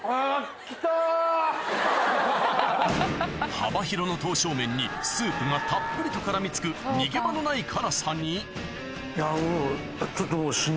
幅広の刀削麺にスープがたっぷりと絡み付く逃げ場のない辛さにいやもうちょっと。